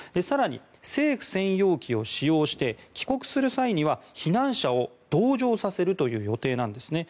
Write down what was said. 更に、政府専用機を使用して帰国する際には避難者を同乗させるという予定なんです。